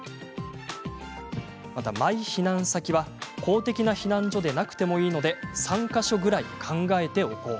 マイ避難先は公的な避難所でなくてもいいので３か所ぐらい考えておこう。